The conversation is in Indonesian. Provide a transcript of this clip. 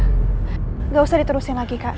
tidak usah diterusin lagi kak